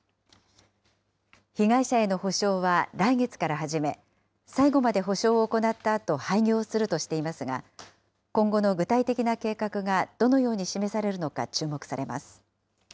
被害者への補償は来月から始め、最後まで補償を行ったあと、廃業するとしていますが、今後の具体的な計画がどのように示されるのか注目されます。